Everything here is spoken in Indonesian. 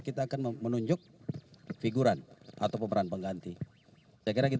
kita akan menunjuk figuran atau pemeran pengganti saya kira demikian